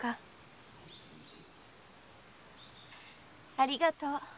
ありがとう。